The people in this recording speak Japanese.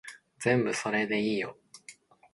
全部それでいいよ